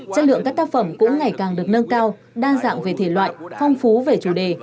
chất lượng các tác phẩm cũng ngày càng được nâng cao đa dạng về thể loại phong phú về chủ đề